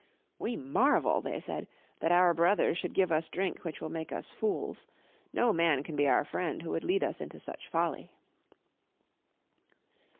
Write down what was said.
"We marvel," they said, "that our brothers should give us drink which will make us fools. No man can be our friend who would lead us into such folly."